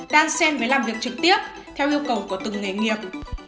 đan xem với làm việc trực tiếp theo yêu cầu của từng nghề nghiệp